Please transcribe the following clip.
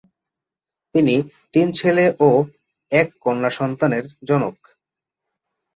তিনি তিন ছেলে ও এক কন্যা সন্তানের জনক।